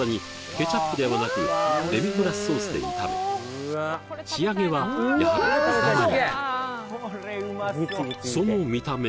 ケチャップではなくデミグラスソースで炒め仕上げはやはり目玉焼きその見た目